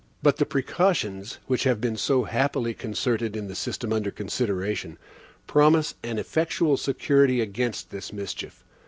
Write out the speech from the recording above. But the precautions which have been so happily concerted in the system under consideration, promise an effectual security against this mischief.